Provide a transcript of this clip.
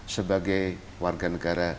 sebagai warga negara